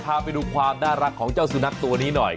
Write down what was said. พาไปดูความน่ารักของเจ้าสุนัขตัวนี้หน่อย